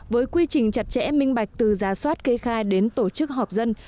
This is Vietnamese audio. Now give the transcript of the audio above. với quy trình chặt chẽ minh bạch từ giả soát kê khai đến tổ chức họp dân